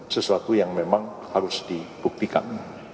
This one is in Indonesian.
sesuatu yang memang harus dibuktikan